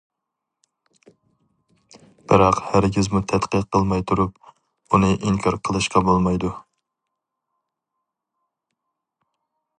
بىراق ھەرگىزمۇ تەتقىق قىلماي تۇرۇپ، ئۇنى ئىنكار قىلىشقا بولمايدۇ.